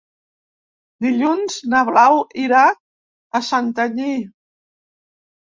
Dilluns na Blau irà a Santanyí.